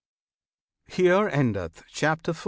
HERE ENDETH CHAPTER IV.